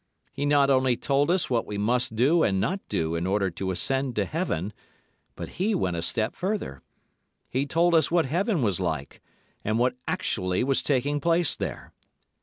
He not only told us what we must do and not do in order to ascend to Heaven, but he went a step further: he told us what Heaven was like, and what actually was taking place there.